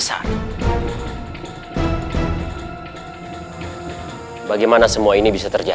aku akan bekerja